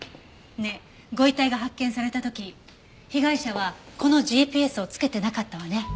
ねえご遺体が発見された時被害者はこのＧＰＳをつけてなかったわね。